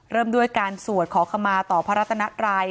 เริ่มด้วยการสวดขอขมาต่อพระรัตนัตรัย